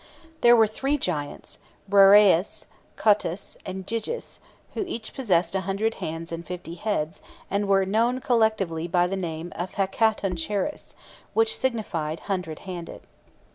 There were three Giants, Briareus, Cottus, and Gyges, who each possessed a hundred hands and fifty heads, and were known collectively by the name of the Hecatoncheires, which signified hundred handed.